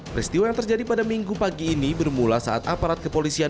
peristiwa yang terjadi pada minggu pagi ini bermula saat aparat kepolisian